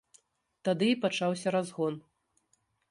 Тады і пачаўся разгон.